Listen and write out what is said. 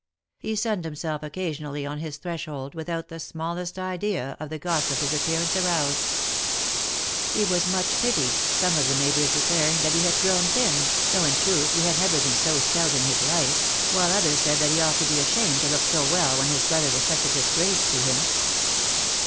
He sunned himself occasionally on his threshold, without the smallest idea of the gossip his appearance aroused. He was much pitied, 2G4' THE MAKKETS OP PARIS. some of the neighbors declaring that he had grown thin, though in truth he had never been so stout in his life, while others said that he ought to be ashamed to look so well when his brother was such a disgrace to him.